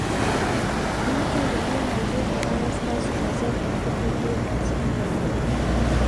ما ته د دې موضوع په اړه ستاسو نظر او فکر ډیر ارزښت لري